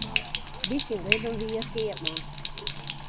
By syn libben wie er keapman.